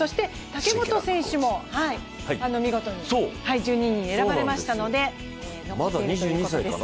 武本選手も見事に１２位に選ばれましたので残ったということです。